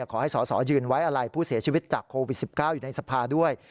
ขอให้สอสอยืนไว้อะไรผู้เสียชีวิตจากโควิด๑๙อยู่ในสภาด้วย